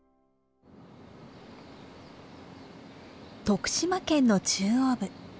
徳島県の中央部。